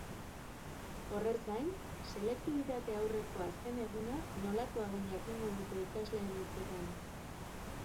Horrez gain, selektibitate aurreko azken eguna nolakoa den jakingo dute ikasleen hitzetan.